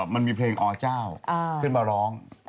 มันมีเพลงอเจ้าขึ้นมาร้อง